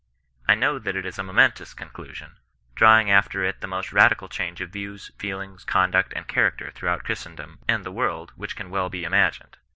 I know that it is a momentous conclusion, drawing after it the most radical change of views, feelings, conduct, and character throughout Christendom and the world which can well be imagined.